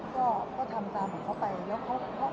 พี่คิดว่าเข้างานทุกครั้งอยู่หรือเปล่า